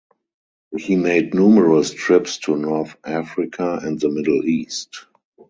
He made numerous trips to North Africa and the Middle East.